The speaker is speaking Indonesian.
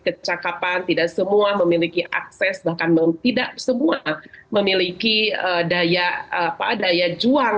kecakapan tidak semua memiliki akses bahkan mempunyai tidak semua memiliki daya apa daya juang